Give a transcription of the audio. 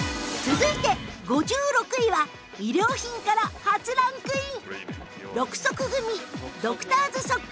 続いて５６位は衣料品から初ランクイン！